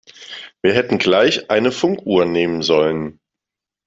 Wir hätten gleich eine Funkuhr nehmen sollen.